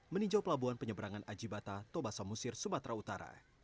meninjau pelabuhan penyeberangan ajibata toba samusir sumatera utara